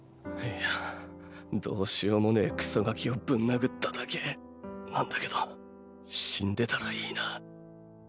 イヤどうしようもねぇクソガキをぶん殴っただけなんだけど死んでたらいいな。